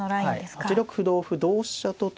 ８六歩同歩同飛車と取って。